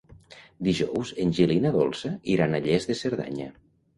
Dijous en Gil i na Dolça iran a Lles de Cerdanya.